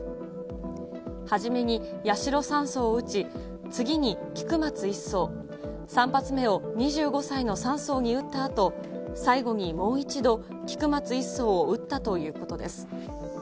初めに八代３曹を撃ち、次に菊松１曹、３発目を２５歳の３曹に撃ったあと、最後にもう一度、菊松１曹を撃ったということです。